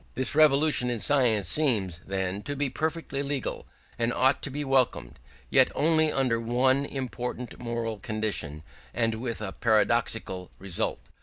This revolution in science seems, then, to be perfectly legal, and ought to be welcomed; yet only under one important moral condition, and with a paradoxical result.